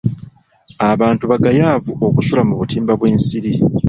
Abantu bagayaavu okusula mu butimba bw'ensiri.